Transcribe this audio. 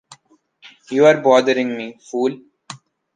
You are bothering me, fool! ...